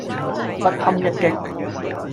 不堪一擊